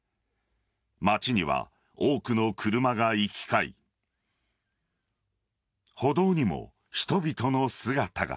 街には多くの車が行き交い歩道にも人々の姿が。